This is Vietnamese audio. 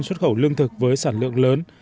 xuất khẩu lương thực với sản lượng lớn